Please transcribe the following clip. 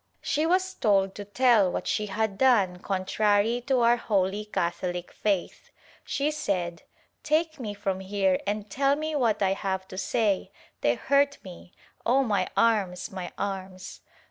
She was told to tell what she had done contrary to our holy Catholic faith. She said "Take me from here and tell me what I have to say — they hurt me — Oh my arms, my arms!"